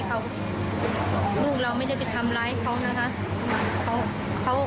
เขาลูกเราไม่ได้ไปทำร้ายเขานะคะ